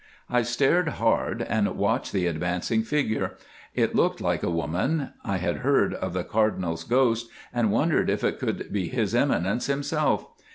I stared hard and watched the advancing figure. It looked like a woman. I had heard of the Cardinal's ghost, and wondered if it could be his Eminence himself.